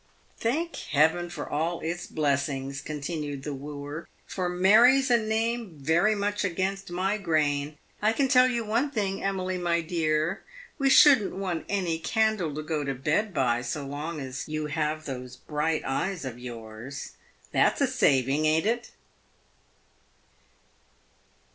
" Thank Heaven for all its blessings !" continued the wooer, " for Mary's a name very much against my grain. I can tell you one thing, Emily, my dear — we shouldn't want any candle to go to bed by so long as you have those bright eyes of yours. That's a saving, ain't it